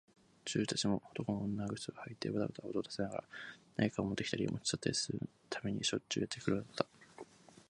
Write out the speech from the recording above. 女中たちも、男物の長靴をはいてばたばた音を立てながら、何かをもってきたり、もち去ったりするためにしょっちゅうやってくるのだった。